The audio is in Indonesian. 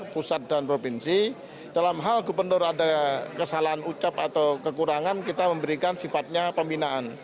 pusat dan provinsi dalam hal gubernur ada kesalahan ucap atau kekurangan kita memberikan sifatnya pembinaan